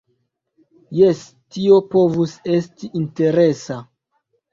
Jes, tio povus esti interesa.